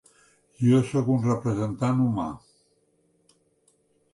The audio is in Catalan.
Jo sóc com un representant humà.